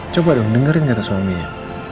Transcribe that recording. coba dong dengerin kata suaminya